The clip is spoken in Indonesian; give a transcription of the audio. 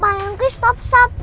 pak yungki stop stop